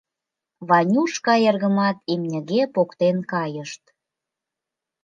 Ванюшка эргымат имньыге поктен кайышт...